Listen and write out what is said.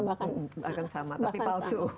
bukan sama tapi palsu